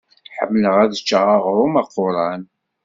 Ḥemmleɣ ad ččeɣ aɣṛum aqquṛan.